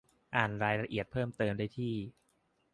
อ่านรายละเอียดเพิ่มเติมได้ที่